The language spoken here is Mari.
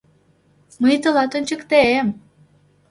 — Мый тылат ончыктем!..